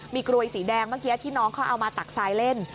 มีกรวยสีแดงเมื่อกี้ที่น้องเขาเอามาตักทรายเล่น